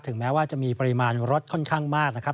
แม้ว่าจะมีปริมาณรถค่อนข้างมากนะครับ